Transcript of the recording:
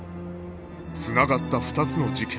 繋がった２つの事件